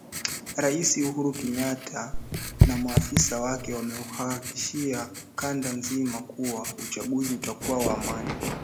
Rais Uhuru Kenyatta na maafisa wake wameihakikishia kanda nzima kuwa uchaguzi utakuwa wa amani.